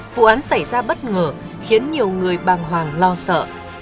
vụ án xảy ra bất ngờ khiến nhiều người bàng hoàng lo sợ